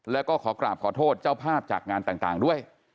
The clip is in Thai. แล้วก็ขอกราบขอโทษเจ้าภาพจากงานต่างด้วย